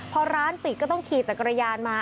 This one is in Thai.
พอร้านปิดก็ต้องขี่จักรยานมา